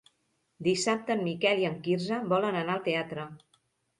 Dissabte en Miquel i en Quirze volen anar al teatre.